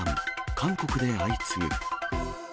韓国で相次ぐ。